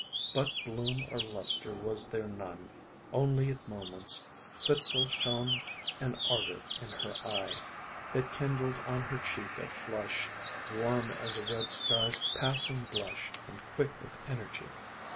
But bloom or lustre was there none, Only at moments, fitful shone An ardour in her eye, That kindled on her cheek a flush, Warm as a red sky's passing blush And quick with energy.